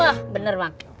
wah bener bang